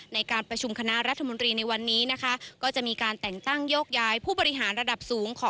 ในการประชุมคณะรัฐมนตรีในวันนี้นะคะก็จะมีการแต่งตั้งโยกย้ายผู้บริหารระดับสูงของ